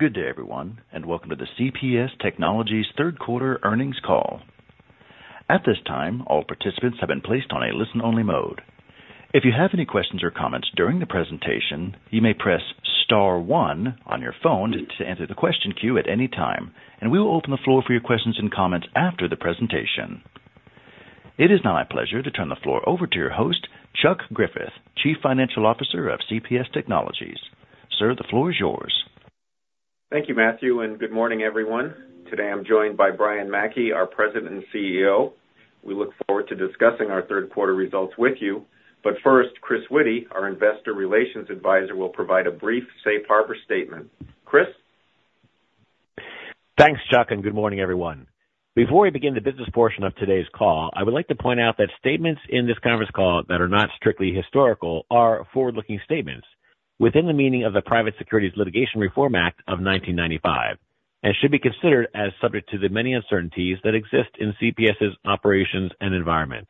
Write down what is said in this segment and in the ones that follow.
Good day, everyone, and welcome to the CPS Technologies third quarter earnings call. At this time, all participants have been placed on a listen-only mode. If you have any questions or comments during the presentation, you may press star one on your phone to enter the question queue at any time, and we will open the floor for your questions and comments after the presentation. It is now my pleasure to turn the floor over to your host, Chuck Griffith, Chief Financial Officer of CPS Technologies. Sir, the floor is yours. Thank you, Matthew, and good morning, everyone. Today I'm joined by Brian Mackey, our President and CEO. We look forward to discussing our third quarter results with you, but first, Chris Witty, our Investor Relations Advisor, will provide a brief safe harbor statement. Chris? Thanks, Chuck, and good morning, everyone. Before we begin the business portion of today's call, I would like to point out that statements in this conference call that are not strictly historical are forward-looking statements within the meaning of the Private Securities Litigation Reform Act of 1995 and should be considered as subject to the many uncertainties that exist in CPS's operations and environment.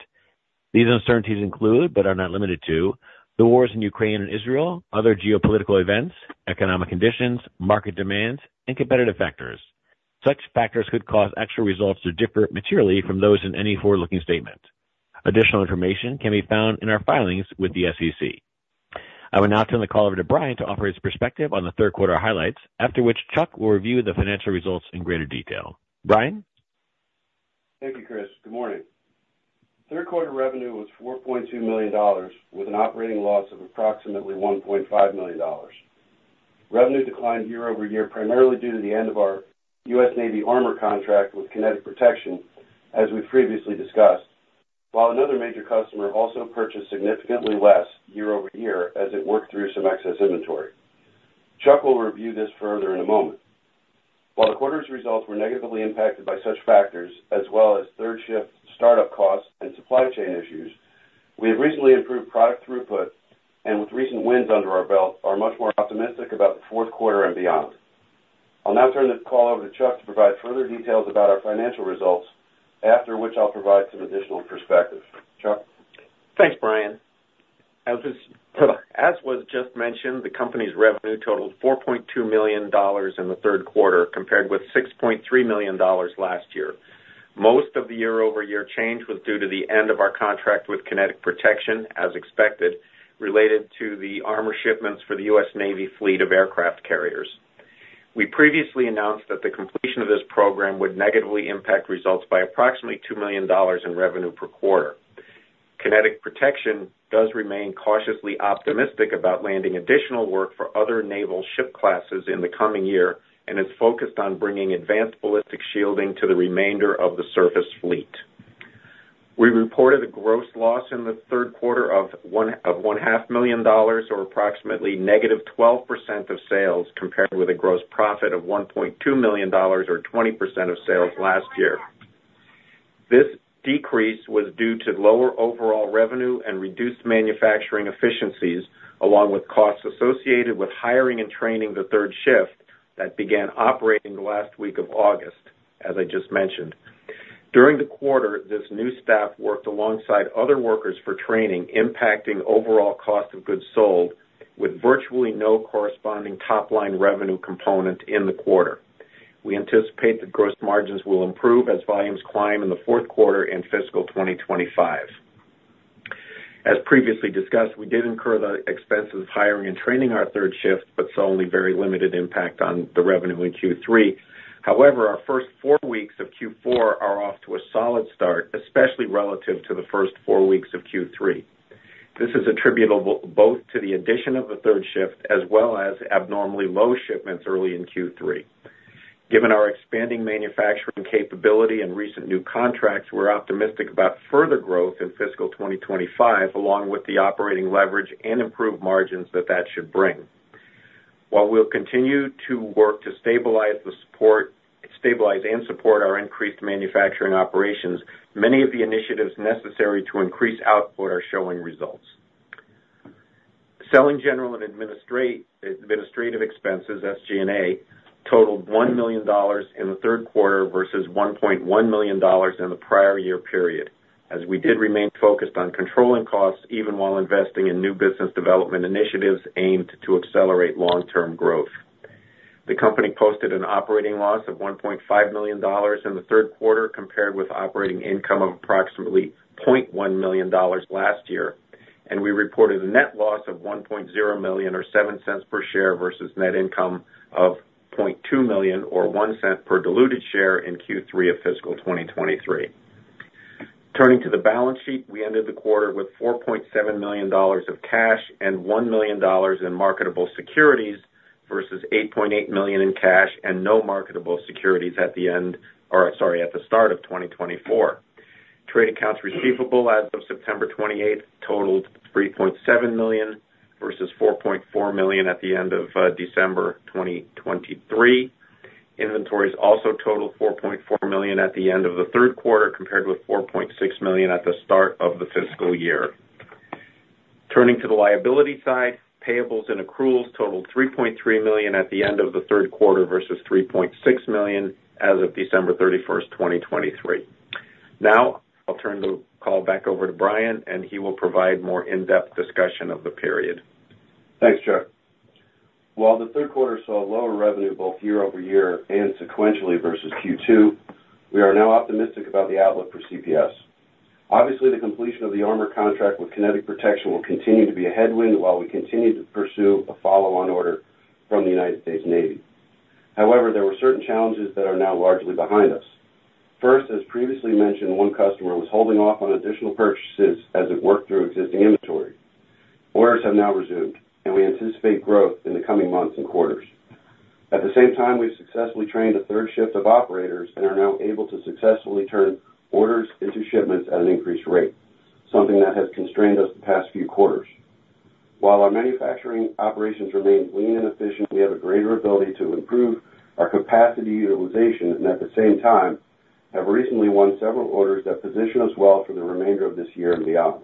These uncertainties include, but are not limited to, the wars in Ukraine and Israel, other geopolitical events, economic conditions, market demands, and competitive factors. Such factors could cause actual results to differ materially from those in any forward-looking statement. Additional information can be found in our filings with the SEC. I will now turn the call over to Brian to offer his perspective on the third quarter highlights, after which Chuck will review the financial results in greater detail. Brian? Thank you, Chris. Good morning. Third quarter revenue was $4.2 million with an operating loss of approximately $1.5 million. Revenue declined year over year primarily due to the end of our U.S. Navy armor contract with Kinetic Protection, as we've previously discussed, while another major customer also purchased significantly less year over year as it worked through some excess inventory. Chuck will review this further in a moment. While the quarter's results were negatively impacted by such factors, as well as third-shift startup costs and supply chain issues, we have recently improved product throughput and, with recent wins under our belt, are much more optimistic about the fourth quarter and beyond. I'll now turn the call over to Chuck to provide further details about our financial results, after which I'll provide some additional perspective. Chuck? Thanks, Brian. As was just mentioned, the company's revenue totaled $4.2 million in the third quarter compared with $6.3 million last year. Most of the year-over-year change was due to the end of our contract with Kinetic Protection, as expected, related to the armor shipments for the U.S. Navy fleet of aircraft carriers. We previously announced that the completion of this program would negatively impact results by approximately $2 million in revenue per quarter. Kinetic Protection does remain cautiously optimistic about landing additional work for other naval ship classes in the coming year and is focused on bringing advanced ballistic shielding to the remainder of the surface fleet. We reported a gross loss in the third quarter of $1.5 million, or approximately negative 12% of sales, compared with a gross profit of $1.2 million, or 20% of sales last year. This decrease was due to lower overall revenue and reduced manufacturing efficiencies, along with costs associated with hiring and training the third shift that began operating the last week of August, as I just mentioned. During the quarter, this new staff worked alongside other workers for training, impacting overall cost of goods sold with virtually no corresponding top-line revenue component in the quarter. We anticipate that gross margins will improve as volumes climb in the fourth quarter and fiscal 2025. As previously discussed, we did incur the expenses of hiring and training our third shift, but saw only very limited impact on the revenue in Q3. However, our first four weeks of Q4 are off to a solid start, especially relative to the first four weeks of Q3. This is attributable both to the addition of the third shift as well as abnormally low shipments early in Q3. Given our expanding manufacturing capability and recent new contracts, we're optimistic about further growth in fiscal 2025, along with the operating leverage and improved margins that that should bring. While we'll continue to work to stabilize and support our increased manufacturing operations, many of the initiatives necessary to increase output are showing results. Selling general and administrative expenses, SG&A, totaled $1 million in the third quarter versus $1.1 million in the prior year period, as we did remain focused on controlling costs even while investing in new business development initiatives aimed to accelerate long-term growth. The company posted an operating loss of $1.5 million in the third quarter compared with operating income of approximately $0.1 million last year, and we reported a net loss of $1.0 million, or $0.07 per share, versus net income of $0.2 million, or $0.01 per diluted share in Q3 of fiscal 2023. Turning to the balance sheet, we ended the quarter with $4.7 million of cash and $1 million in marketable securities versus $8.8 million in cash and no marketable securities at the end, or sorry, at the start of 2024. Trade accounts receivable as of September 28th totaled $3.7 million versus $4.4 million at the end of December 2023. Inventories also totaled $4.4 million at the end of the third quarter compared with $4.6 million at the start of the fiscal year. Turning to the liability side, payables and accruals totaled $3.3 million at the end of the third quarter versus $3.6 million as of December 31st, 2023. Now, I'll turn the call back over to Brian, and he will provide more in-depth discussion of the period. Thanks, Chuck. While the third quarter saw lower revenue both year over year and sequentially versus Q2, we are now optimistic about the outlook for CPS. Obviously, the completion of the armor contract with Kinetic Protection will continue to be a headwind while we continue to pursue a follow-on order from the United States Navy. However, there were certain challenges that are now largely behind us. First, as previously mentioned, one customer was holding off on additional purchases as it worked through existing inventory. Orders have now resumed, and we anticipate growth in the coming months and quarters. At the same time, we've successfully trained a third shift of operators and are now able to successfully turn orders into shipments at an increased rate, something that has constrained us the past few quarters. While our manufacturing operations remain lean and efficient, we have a greater ability to improve our capacity utilization and, at the same time, have recently won several orders that position us well for the remainder of this year and beyond.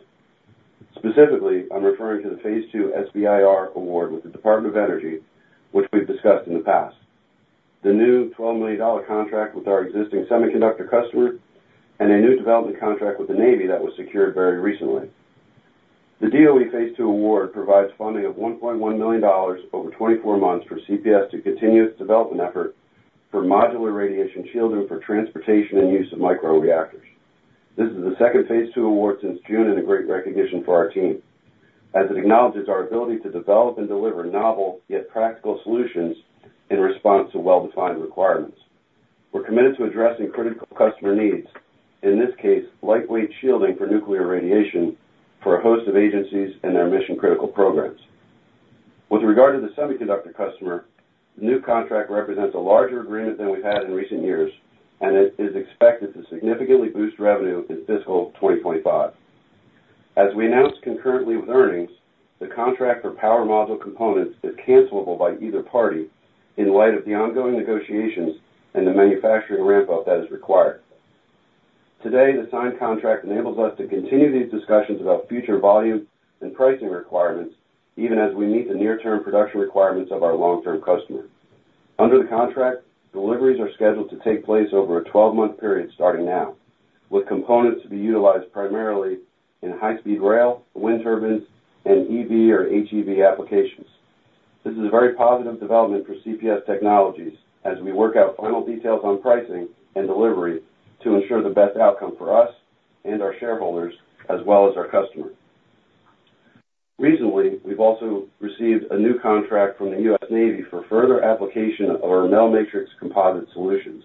Specifically, I'm referring to the Phase 2 SBIR award with the Department of Energy, which we've discussed in the past, the new $12 million contract with our existing semiconductor customer, and a new development contract with the Navy that was secured very recently. The DOE Phase 2 award provides funding of $1.1 million over 24 months for CPS to continue its development effort for modular radiation shielding for transportation and use of micro-reactors. This is the second Phase 2 award since June and a great recognition for our team, as it acknowledges our ability to develop and deliver novel yet practical solutions in response to well-defined requirements. We're committed to addressing critical customer needs, in this case, lightweight shielding for nuclear radiation for a host of agencies and their mission-critical programs. With regard to the semiconductor customer, the new contract represents a larger agreement than we've had in recent years, and it is expected to significantly boost revenue in fiscal 2025. As we announced concurrently with earnings, the contract for power module components is cancelable by either party in light of the ongoing negotiations and the manufacturing ramp-up that is required. Today, the signed contract enables us to continue these discussions about future volume and pricing requirements even as we meet the near-term production requirements of our long-term customer. Under the contract, deliveries are scheduled to take place over a 12-month period starting now, with components to be utilized primarily in high-speed rail, wind turbines, and EV or HEV applications. This is a very positive development for CPS Technologies as we work out final details on pricing and delivery to ensure the best outcome for us and our shareholders, as well as our customer. Recently, we've also received a new contract from the U.S. Navy for further application of our Metal Matrix composite solutions.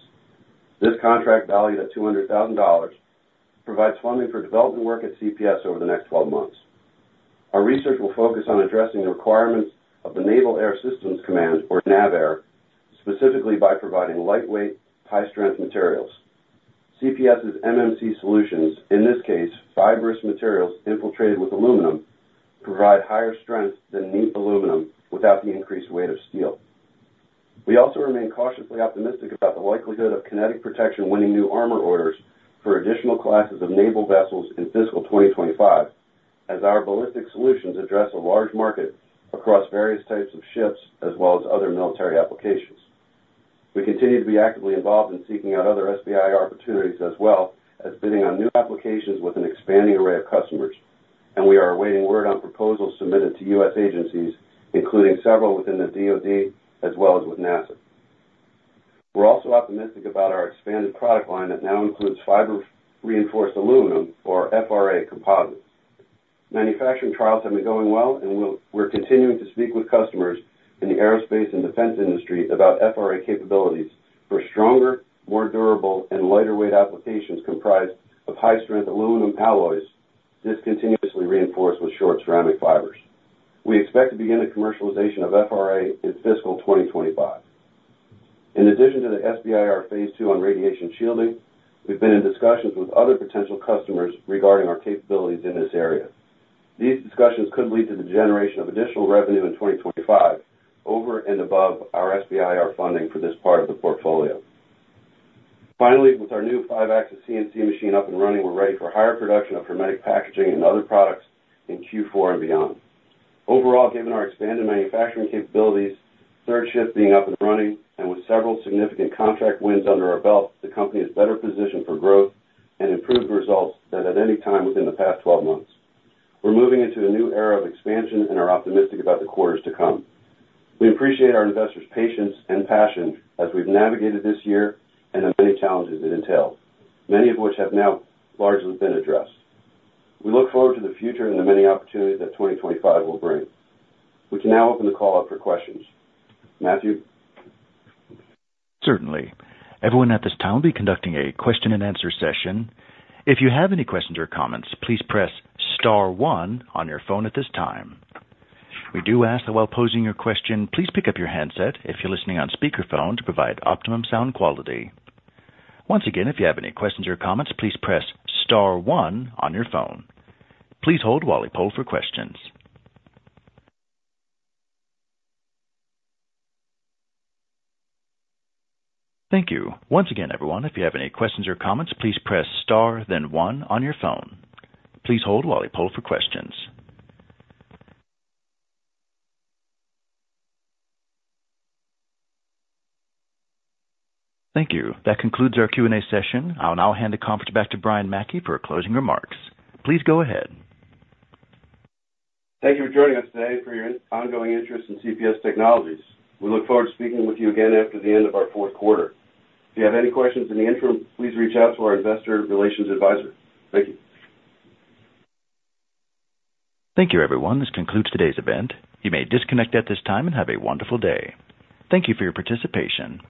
This contract, valued at $200,000, provides funding for development work at CPS over the next 12 months. Our research will focus on addressing the requirements of the Naval Air Systems Command, or NAVAIR, specifically by providing lightweight, high-strength materials. CPS's MMC solutions, in this case, fibrous materials infiltrated with aluminum, provide higher strength than neat aluminum without the increased weight of steel. We also remain cautiously optimistic about the likelihood of Kinetic Protection winning new armor orders for additional classes of naval vessels in fiscal 2025, as our ballistic solutions address a large market across various types of ships as well as other military applications. We continue to be actively involved in seeking out other SBIR opportunities as well as bidding on new applications with an expanding array of customers, and we are awaiting word on proposals submitted to U.S. agencies, including several within the DOD as well as with NASA. We're also optimistic about our expanded product line that now includes fiber-reinforced aluminum, or FRA, composites. Manufacturing trials have been going well, and we're continuing to speak with customers in the aerospace and defense industry about FRA capabilities for stronger, more durable, and lighter-weight applications comprised of high-strength aluminum alloys discontinuously reinforced with short ceramic fibers. We expect to begin a commercialization of FRA in fiscal 2025. In addition to the SBIR Phase 2 on radiation shielding, we've been in discussions with other potential customers regarding our capabilities in this area. These discussions could lead to the generation of additional revenue in 2025 over and above our SBIR funding for this part of the portfolio. Finally, with our new 5-axis CNC machine up and running, we're ready for higher production of hermetic packaging and other products in Q4 and beyond. Overall, given our expanded manufacturing capabilities, third shift being up and running, and with several significant contract wins under our belt, the company is better positioned for growth and improved results than at any time within the past 12 months. We're moving into a new era of expansion and are optimistic about the quarters to come. We appreciate our investors' patience and passion as we've navigated this year and the many challenges it entailed, many of which have now largely been addressed. We look forward to the future and the many opportunities that 2025 will bring. We can now open the call up for questions. Matthew? Certainly. Everyone at this time will be conducting a question-and-answer session. If you have any questions or comments, please press Star 1 on your phone at this time. We do ask that while posing your question, please pick up your headset if you're listening on speakerphone to provide optimum sound quality. Once again, if you have any questions or comments, please press Star 1 on your phone. Please hold while we pull for questions. Thank you. Once again, everyone, if you have any questions or comments, please press Star, then 1 on your phone. Please hold while we pull for questions. Thank you. That concludes our Q&A session. I'll now hand the conference back to Brian Mackey for closing remarks. Please go ahead. Thank you for joining us today for your ongoing interest in CPS Technologies. We look forward to speaking with you again after the end of our fourth quarter. If you have any questions in the interim, please reach out to our investor relations advisor. Thank you. Thank you, everyone. This concludes today's event. You may disconnect at this time and have a wonderful day. Thank you for your participation.